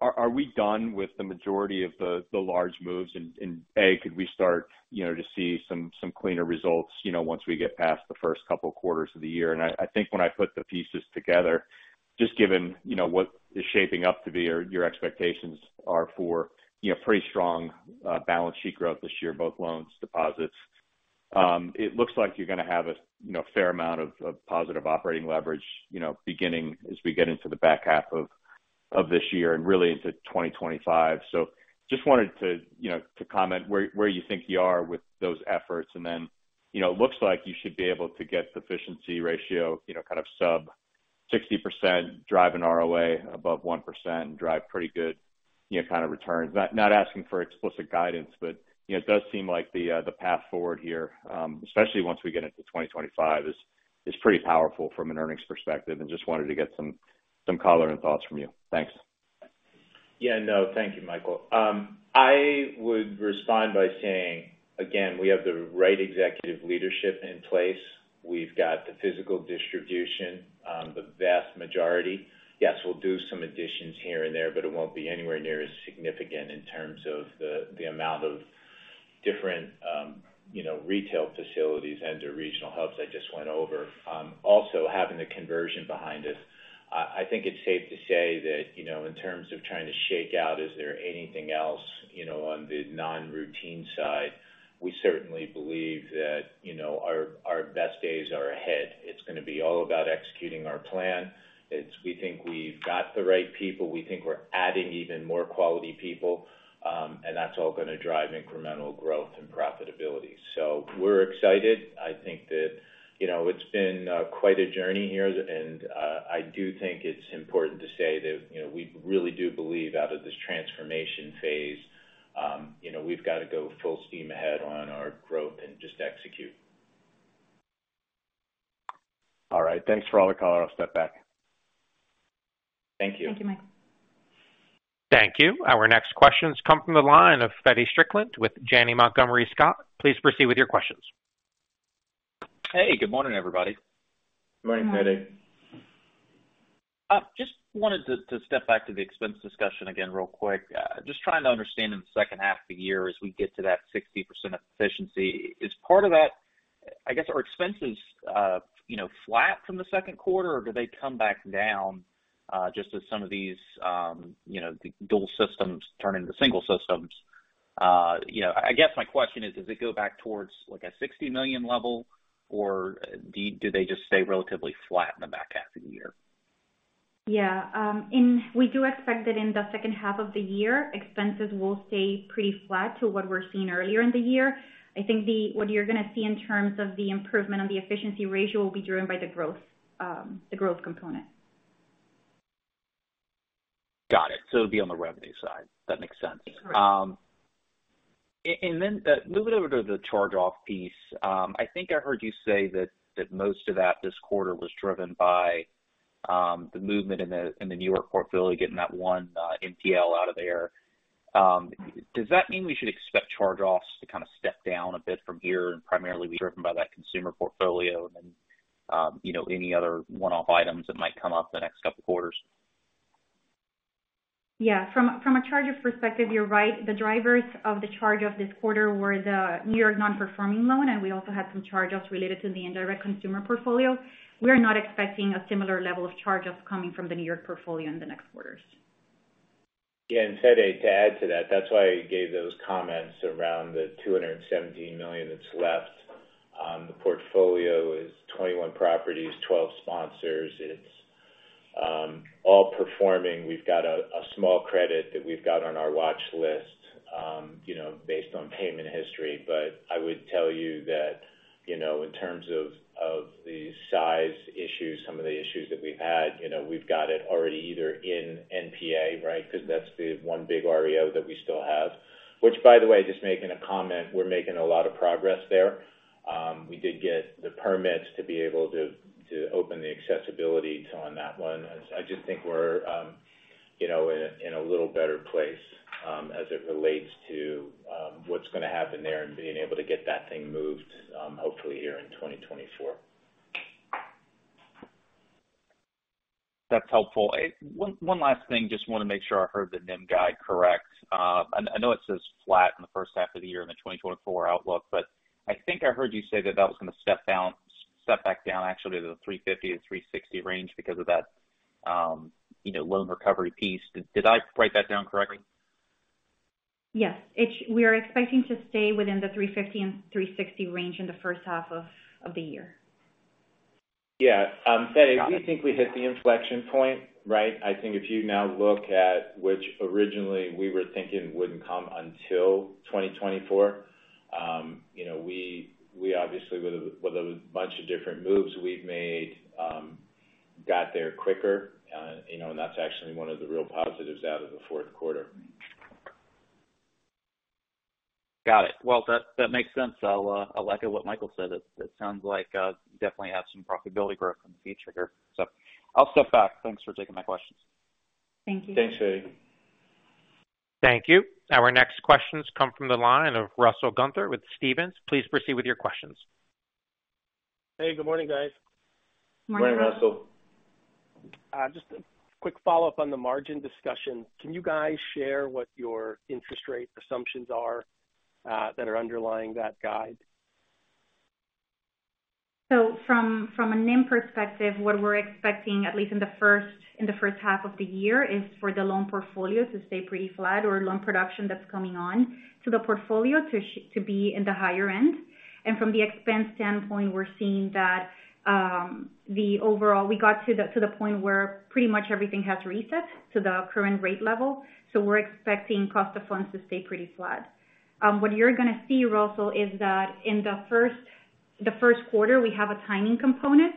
Are we done with the majority of the large moves? And, a, could we start, you know, to see some cleaner results, you know, once we get past the first couple of quarters of the year? And I think when I put the pieces together, just given, you know, what is shaping up to be your expectations are for, you know, pretty strong balance sheet growth this year, both loans, deposits. It looks like you're gonna have a, you know, fair amount of positive operating leverage, you know, beginning as we get into the back half of this year and really into 2025. So just wanted to, you know, to comment where you think you are with those efforts. And then, you know, it looks like you should be able to get efficiency ratio, you know, kind of, sub 60%, drive an ROA above 1% and drive pretty good, you know, kind of, returns. Not asking for explicit guidance, but, you know, it does seem like the path forward here, especially once we get into 2025, is pretty powerful from an earnings perspective, and just wanted to get some color and thoughts from you. Thanks. Yeah. No, thank you, Michael. I would respond by saying, again, we have the right executive leadership in place. We've got the physical distribution, the vast majority. Yes, we'll do some additions here and there, but it won't be anywhere near as significant in terms of the amount of different, you know, retail facilities and the regional hubs I just went over. Also, having the conversion behind us, I think it's safe to say that, you know, in terms of trying to shake out, is there anything else, you know, on the non-routine side, we certainly believe that, you know, our best days are ahead. It's gonna be all about executing our plan. It's. We think we've got the right people. We think we're adding even more quality people, and that's all gonna drive incremental growth and profitability. So we're excited. I think that, you know, it's been quite a journey here, and I do think it's important to say that, you know, we really do believe out of this transformation phase. You know, we've got to go full steam ahead on our growth and just execute. All right. Thanks for all the color. I'll step back. Thank you. Thank you, Mike. Thank you. Our next questions come from the line of Feddie Strickland with Janney Montgomery Scott. Please proceed with your questions. Hey, good morning, everybody. Good morning, Feddie. Good morning. Just wanted to step back to the expense discussion again real quick. Just trying to understand in the second half of the year, as we get to that 60% efficiency, is part of that—I guess, are expenses, you know, flat from the second quarter, or do they come back down, just as some of these, you know, the dual systems turn into single systems? You know, I guess my question is: Does it go back towards, like, a $60 million level, or do they just stay relatively flat in the back half of the year? Yeah. We do expect that in the second half of the year, expenses will stay pretty flat to what we're seeing earlier in the year. I think what you're going to see in terms of the improvement on the efficiency ratio will be driven by the growth, the growth component. Got it. So it'll be on the revenue side. That makes sense. Correct. And then, moving over to the charge-off piece, I think I heard you say that most of that this quarter was driven by the movement in the New York portfolio, getting that one NPL out of there. Does that mean we should expect charge-offs to kind of step down a bit from here and primarily be driven by that consumer portfolio and then, you know, any other one-off items that might come up in the next couple quarters? Yeah. From a charge-off perspective, you're right. The drivers of the charge-off this quarter were the New York non-performing loan, and we also had some charge-offs related to the indirect consumer portfolio. We are not expecting a similar level of charge-offs coming from the New York portfolio in the next quarters. Yeah, and Feddie, to add to that, that's why I gave those comments around the $217 million that's left. The portfolio is 21 properties, 12 sponsors. It's all performing. We've got a small credit that we've got on our watch list, you know, based on payment history. But I would tell you that, you know, in terms of the size issues, some of the issues that we've had, you know, we've got it already either in NPA, right? Because that's the one big REO that we still have, which, by the way, just making a comment, we're making a lot of progress there. We did get the permits to be able to open the accessibility to on that one. I just think we're, you know, in a little better place as it relates to what's going to happen there and being able to get that thing moved, hopefully here in 2024. That's helpful. One, one last thing, just want to make sure I heard the NIM guide correct. I, I know it says flat in the first half of the year in the 2024 outlook, but I think I heard you say that that was going to step down, step back down, actually, to the 3.50%-3.60% range because of that, you know, loan recovery piece. Did, did I write that down correctly? Yes. We are expecting to stay within the 3.50%-3.60% range in the first half of the year. Yeah. Feddie, we think we hit the inflection point, right? I think if you now look at which originally we were thinking wouldn't come until 2024, you know, we obviously, with a bunch of different moves we've made, got there quicker. You know, and that's actually one of the real positives out of the fourth quarter. Got it. Well, that, that makes sense. I'll, I'll echo what Michael said. It, it sounds like definitely have some profitability growth in the future here. I'll step back. Thanks for taking my questions. Thank you. Thanks, Feddie. Thank you. Our next questions come from the line of Russell Gunther with Stephens. Please proceed with your questions. Hey, good morning, guys. Good morning. Good morning, Russell. Just a quick follow-up on the margin discussion. Can you guys share what your interest rate assumptions are, that are underlying that guide? So from a NIM perspective, what we're expecting, at least in the first half of the year, is for the loan portfolio to stay pretty flat or loan production that's coming on to the portfolio to be in the higher end. And from the expense standpoint, we're seeing that overall we got to the point where pretty much everything has reset to the current rate level, so we're expecting cost of funds to stay pretty flat. What you're going to see, Russell, is that in the first quarter, we have a timing component.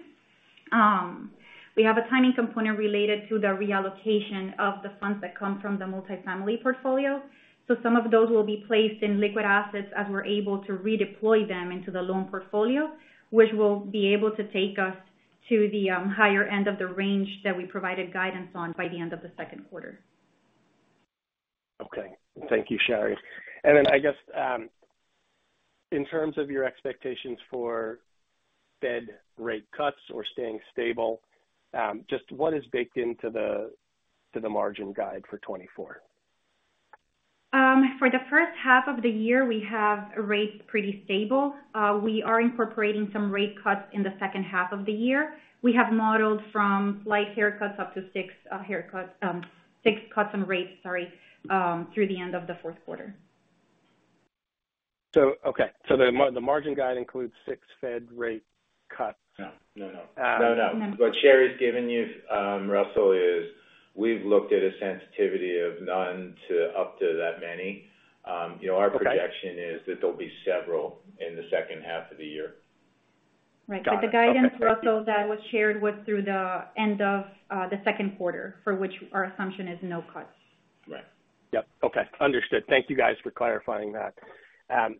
We have a timing component related to the reallocation of the funds that come from the multifamily portfolio. So some of those will be placed in liquid assets as we're able to redeploy them into the loan portfolio, which will be able to take us to the higher end of the range that we provided guidance on by the end of the second quarter. Okay. Thank you, Shary. And then I guess, in terms of your expectations for Fed rate cuts or staying stable, just what is baked into the margin guide for 2024? For the first half of the year, we have rates pretty stable. We are incorporating some rate cuts in the second half of the year. We have modeled from light haircuts up to six haircuts, six cuts in rates, through the end of the fourth quarter. So okay. So the margin guide includes six Fed rate cuts? No. No, no. Uh-No, no. What Shary's given you, Russell, is we've looked at a sensitivity of none to up to that many. You know- Okay. Our projection is that there'll be several in the second half of the year. Right, but the guidance also that was shared was through the end of the second quarter, for which our assumption is no cuts. Right. Yep. Okay, understood. Thank you guys for clarifying that.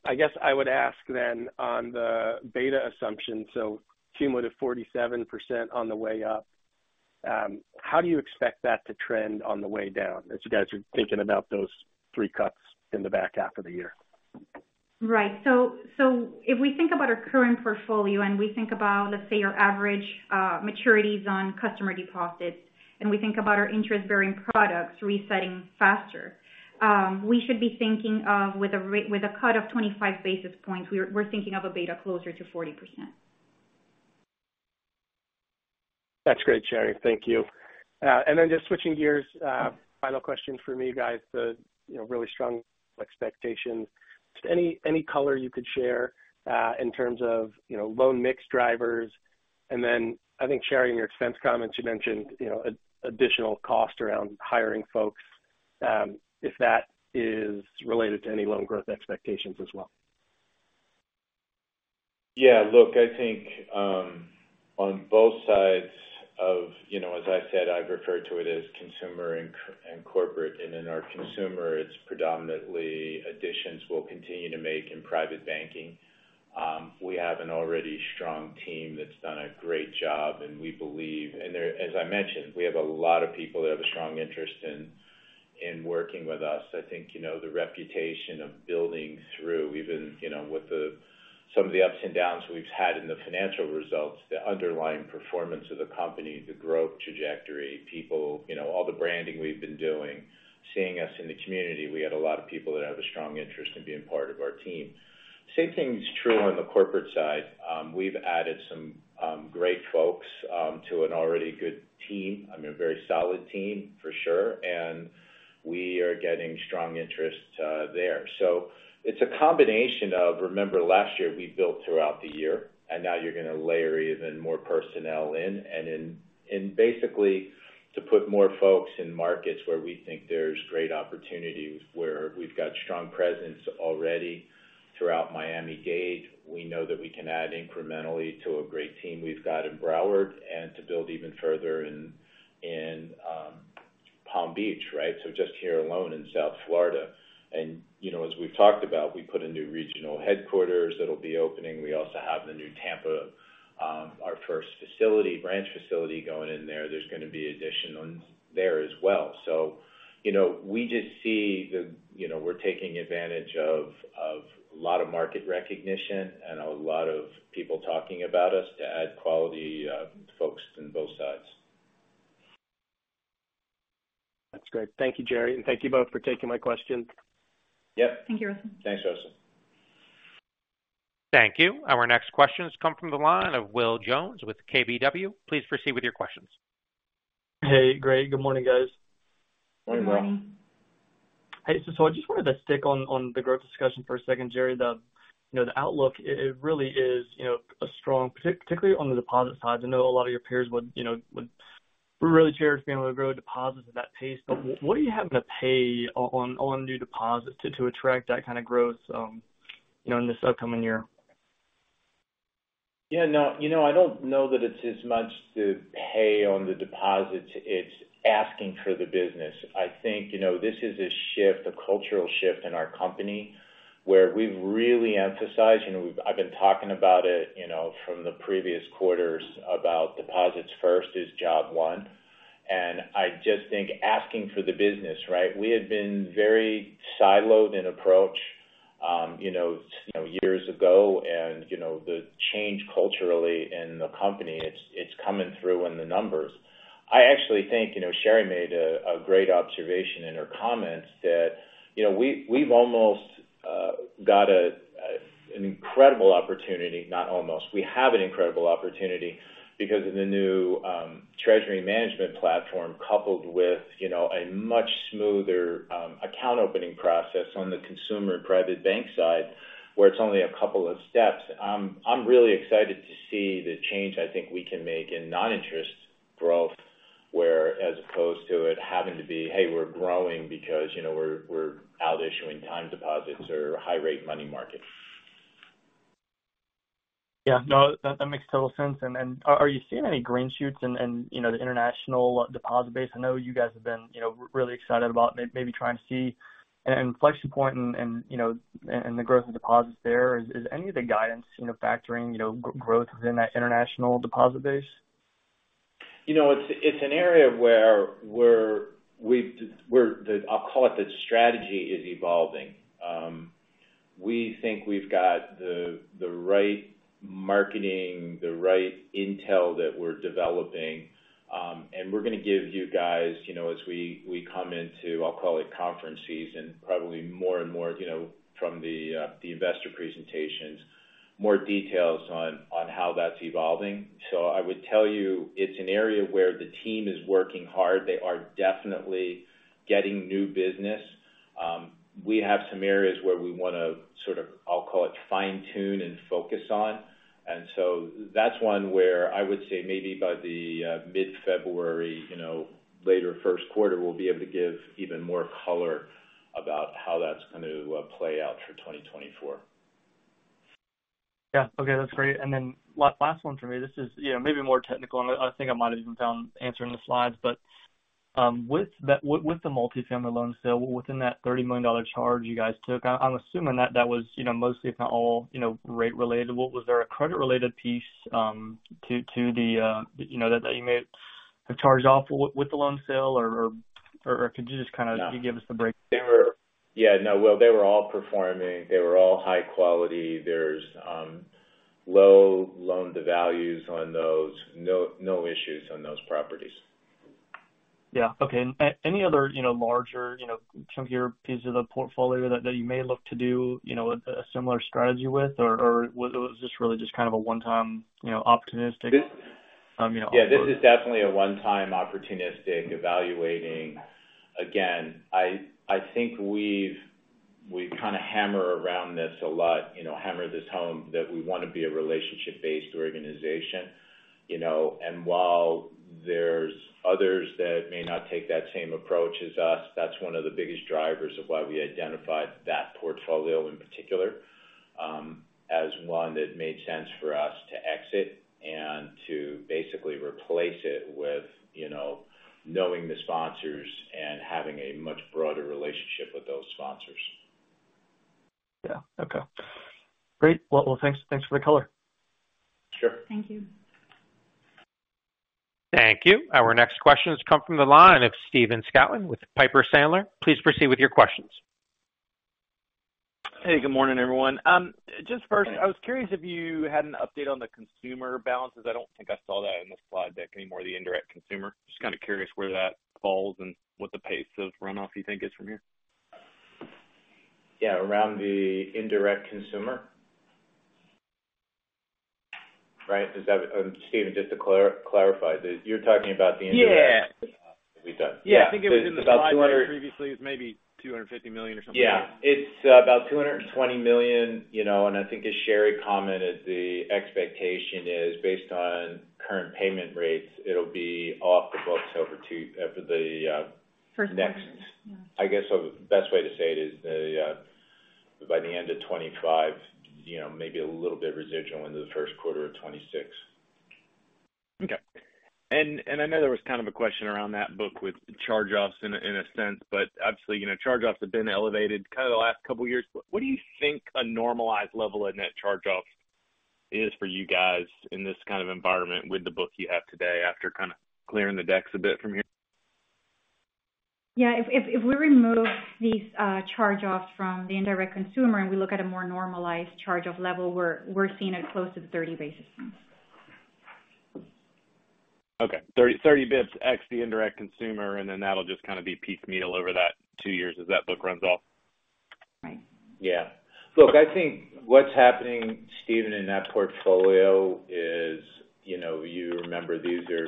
I guess I would ask then on the beta assumption, so cumulative 47% on the way up, how do you expect that to trend on the way down as you guys are thinking about those three cuts in the back half of the year? Right. So, so if we think about our current portfolio and we think about, let's say, our average maturities on customer deposits, and we think about our interest-bearing products resetting faster, we should be thinking of with a cut of 25 basis points, we're thinking of a beta closer to 40%. That's great, Shary. Thank you. And then just switching gears, final question for me, guys. The, you know, really strong expectations. Just any, any color you could share, in terms of, you know, loan mix drivers, and then I think, Shary, in your expense comments, you mentioned, you know, a- additional cost around hiring folks, if that is related to any loan growth expectations as well. Yeah, look, I think, on both sides of, you know, as I said, I've referred to it as consumer and corporate. And in our consumer, it's predominantly additions we'll continue to make in private banking. We have an already strong team that's done a great job, and we believe—and there, as I mentioned, we have a lot of people that have a strong interest in working with us. I think, you know, the reputation of building through, even, you know, with some of the ups and downs we've had in the financial results, the underlying performance of the company, the growth trajectory, people, you know, all the branding we've been doing, seeing us in the community, we have a lot of people that have a strong interest in being part of our team. Same thing is true on the corporate side. We've added some great folks to an already good team. I mean, a very solid team, for sure, and we are getting strong interest there. So it's a combination of, remember last year, we built throughout the year, and now you're going to layer even more personnel in, and basically, to put more folks in markets where we think there's great opportunities, where we've got strong presence already throughout Miami-Dade. We know that we can add incrementally to a great team we've got in Broward, and to build even further in Palm Beach, right? So just here alone in South Florida. And, you know, as we've talked about, we put a new regional headquarters that'll be opening. We also have the new Tampa, our first facility, branch facility going in there. There's going to be additions there as well. So, you know, we just see the, you know, we're taking advantage of a lot of market recognition and a lot of people talking about us to add quality folks on both sides. That's great. Thank you, Jerry, and thank you both for taking my questions. Yep. Thank you, Russell. Thanks, Russell. Thank you. Our next question has come from the line of Will Jones with KBW. Please proceed with your questions. Hey, great. Good morning, guys. Good morning. Good morning. Hey, so I just wanted to stick on the growth discussion for a second, Jerry. The, you know, the outlook—it really is, you know, a strong, particularly on the deposit side. I know a lot of your peers would, you know, would really cherish being able to grow deposits at that pace. But what are you having to pay on new deposits to attract that kind of growth, you know, in this upcoming year? Yeah, no, you know, I don't know that it's as much to pay on the deposits. It's asking for the business. I think, you know, this is a shift, a cultural shift in our company, where we've really emphasized, you know, I've been talking about it, you know, from the previous quarters, about deposits first is job one. And I just think asking for the business, right? We had been very siloed in approach, you know, you know, years ago, and, you know, the change culturally in the company, it's coming through in the numbers. I actually think, you know, Shary made a great observation in her comments that, you know, we, we've almost got an incredible opportunity... Not almost, we have an incredible opportunity because of the new treasury management platform, coupled with, you know, a much smoother account opening process on the consumer and private bank side, where it's only a couple of steps. I'm really excited to see the change I think we can make in non-interest growth, where as opposed to it having to be, "Hey, we're growing because, you know, we're out issuing time deposits or high-rate money markets. Yeah. No, that makes total sense. And then are you seeing any green shoots in the international deposit base? I know you guys have been really excited about maybe trying to see an inflection point and the growth of deposits there. Is any of the guidance, you know, factoring growth within that international deposit base? You know, it's an area where we're the—I'll call it, the strategy is evolving. We think we've got the right marketing, the right intel that we're developing, and we're going to give you guys, you know, as we come into, I'll call it conference season, probably more and more, you know, from the investor presentations, more details on how that's evolving. So I would tell you, it's an area where the team is working hard. They are definitely getting new business. We have some areas where we want to sort of, I'll call it, fine-tune and focus on. And so that's one where I would say maybe by mid-February, you know, later first quarter, we'll be able to give even more color about how that's going to play out for 2024. Yeah. Okay, that's great. And then last one for me, this is, you know, maybe more technical, and I think I might have even found the answer in the slides. But with the multifamily loan sale, within that $30 million charge you guys took, I'm assuming that that was, you know, mostly, if not all, you know, rate-related. Was there a credit-related piece to the, you know, that that you may have charged off with the loan sale or could you just kind of- Yeah. Give us the breakdown? They were. Yeah, no, well, they were all performing. They were all high quality. There's low loan-to-values on those. No, no issues on those properties. Yeah. Okay. Any other, you know, larger, you know, chunkier pieces of the portfolio that you may look to do, you know, a similar strategy with, or was it just really just kind of a one-time, you know, opportunistic, you know? Yeah, this is definitely a one-time, opportunistic, evaluating. Again, I, I think we've, we kind of hammer around this a lot, you know, hammer this home, that we want to be a relationship-based organization, you know? And while there's others that may not take that same approach as us, that's one of the biggest drivers of why we identified that portfolio, in particular, as one that made sense for us to exit and to basically replace it with, you know, knowing the sponsors and having a much broader relationship with those sponsors. Yeah. Okay. Great. Well, well, thanks, thanks for the color. Sure. Thank you. Thank you. Our next question has come from the line of Stephen Scouten with Piper Sandler. Please proceed with your questions. Hey, good morning, everyone. Just first, I was curious if you had an update on the consumer balances. I don't think I saw that in the slide deck anymore, the indirect consumer. Just kind of curious where that falls and what the pace of runoff you think is from here. Yeah, around the indirect consumer? Right. Does that—Stephen, just to clarify, that you're talking about the indirect- Yeah. We've done. Yeah. I think it was in the slide previously. It's maybe $250 million or something. Yeah. It's about $220 million, you know, and I think as Shary commented, the expectation is based on current payment rates, it'll be off the books over two - after the. First quarter Next. I guess the best way to say it is the, by the end of 2025, you know, maybe a little bit residual into the first quarter of 2026. Okay. And I know there was kind of a question around that book with charge-offs in a sense, but obviously, you know, charge-offs have been elevated kind of the last couple of years. What do you think a normalized level of net charge-offs is for you guys in this kind of environment with the book you have today after kind of clearing the decks a bit from here? Yeah, if we remove these charge-offs from the indirect consumer, and we look at a more normalized charge-off level, we're seeing it close to 30 basis points. Okay, 30, 30 basis points, ex the indirect consumer, and then that'll just kind of be piecemeal over that two years as that book runs off? Right. Yeah. Look, I think what's happening, Stephen, in that portfolio is, you know, you remember these are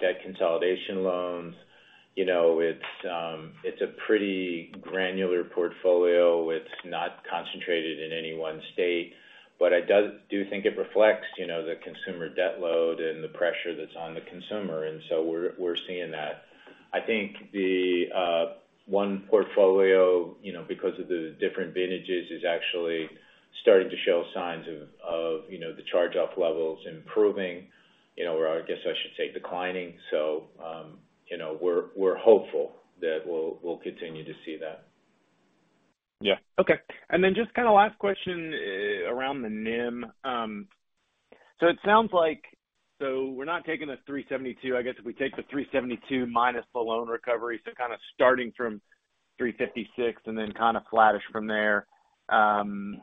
debt consolidation loans. You know, it's a pretty granular portfolio. It's not concentrated in any one state, but I do think it reflects, you know, the consumer debt load and the pressure that's on the consumer, and so we're seeing that. I think the one portfolio, you know, because of the different vintages, is actually starting to show signs of the charge-off levels improving, you know, or I guess I should say, declining. So, you know, we're hopeful that we'll continue to see that. Yeah. Okay. And then just kind of last question around the NIM. So it sounds like... So we're not taking the 3.72. I guess if we take the 3.72 minus the loan recovery, so kind of starting from 3.56 and then kind of flattish from there. And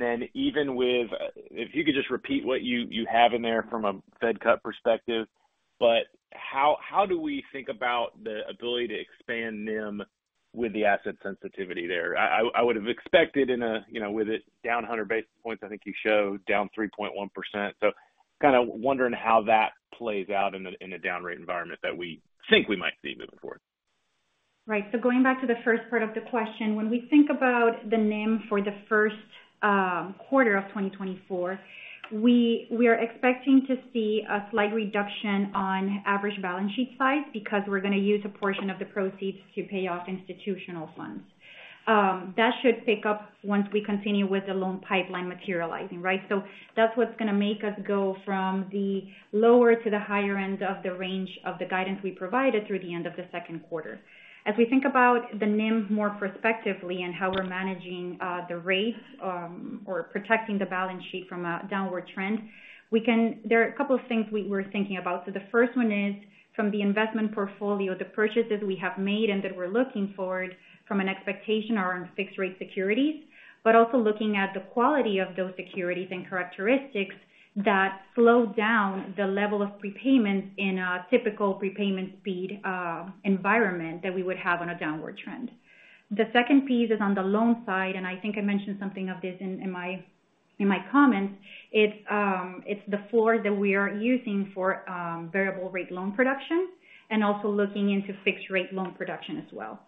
then even with. If you could just repeat what you have in there from a Fed cut perspective, but how do we think about the ability to expand NIM with the asset sensitivity there? I would have expected in a, you know, with it down 100 basis points, I think you showed down 3.1%. So kind of wondering how that plays out in a down rate environment that we think we might see moving forward. Right. So going back to the first part of the question, when we think about the NIM for the first quarter of 2024, we are expecting to see a slight reduction on average balance sheet size because we're going to use a portion of the proceeds to pay off institutional funds. That should pick up once we continue with the loan pipeline materializing, right? So that's what's going to make us go from the lower to the higher end of the range of the guidance we provided through the end of the second quarter. As we think about the NIM more prospectively and how we're managing the rates or protecting the balance sheet from a downward trend, we can. There are a couple of things we were thinking about. So the first one is, from the investment portfolio, the purchases we have made and that we're looking forward from an expectation are on fixed rate securities. But also looking at the quality of those securities and characteristics that slow down the level of prepayments in a typical prepayment speed environment that we would have on a downward trend. The second piece is on the loan side, and I think I mentioned something of this in my comments. It's the floor that we are using for variable rate loan production and also looking into fixed rate loan production as well.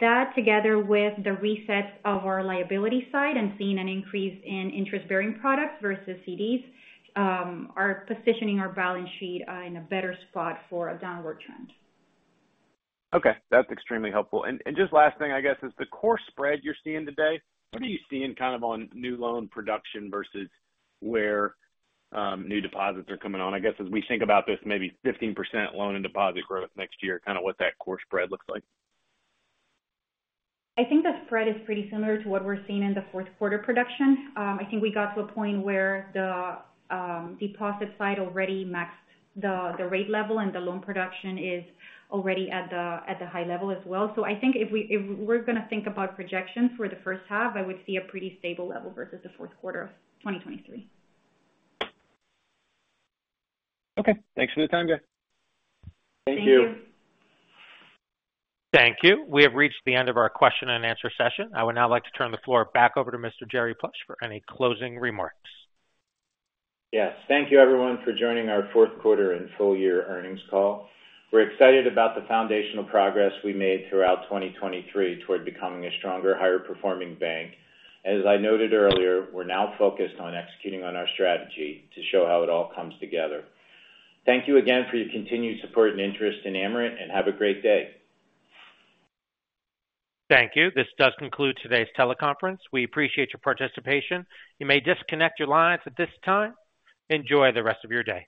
That together with the reset of our liability side and seeing an increase in interest-bearing products versus CDs are positioning our balance sheet in a better spot for a downward trend. Okay, that's extremely helpful. And just last thing, I guess, is the core spread you're seeing today, what are you seeing kind of on new loan production versus where new deposits are coming on? I guess, as we think about this, maybe 15% loan and deposit growth next year, kind of what that core spread looks like. I think the spread is pretty similar to what we're seeing in the fourth quarter production. I think we got to a point where the deposit side already maxed the rate level, and the loan production is already at the high level as well. So I think if we're going to think about projections for the first half, I would see a pretty stable level versus the fourth quarter of 2023. Okay. Thanks for the time, guys. Thank you. Thank you. Thank you. We have reached the end of our question and answer session. I would now like to turn the floor back over to Mr. Jerry Plush for any closing remarks. Yes. Thank you, everyone, for joining our fourth quarter and full year earnings call. We're excited about the foundational progress we made throughout 2023 toward becoming a stronger, higher-performing bank. As I noted earlier, we're now focused on executing on our strategy to show how it all comes together. Thank you again for your continued support and interest in Amerant, and have a great day. Thank you. This does conclude today's teleconference. We appreciate your participation. You may disconnect your lines at this time. Enjoy the rest of your day.